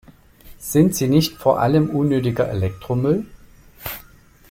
Sind sie nicht vor allem unnötiger Elektromüll?